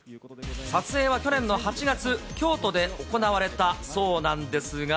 撮影は去年の８月、京都で行われたそうなんですが。